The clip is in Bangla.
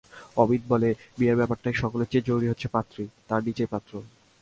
অমিত বলে, বিয়ে ব্যাপারটায় সকলের চেয়ে জরুরি হচ্ছে পাত্রী, তার নীচেই পাত্র।